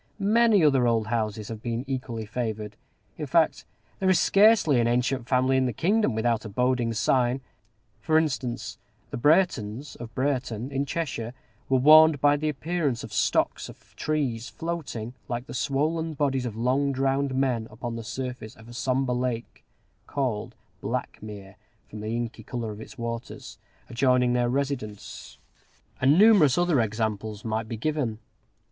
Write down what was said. Many other old houses have been equally favored: in fact, there is scarcely an ancient family in the kingdom without a boding sign. For instance, the Breretons of Brereton, in Cheshire, were warned by the appearance of stocks of trees floating, like the swollen bodies of long drowned men, upon the surface of a sombre lake called Blackmere, from the inky color of its waters adjoining their residence; and numerous other examples might be given.